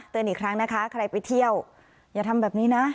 อีกครั้งนะคะใครไปเที่ยวอย่าทำแบบนี้นะ